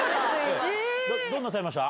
どうなさいました？